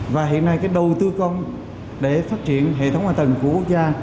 và hiện nay cái đầu tư công để phát triển hệ thống hạ tầng của quốc gia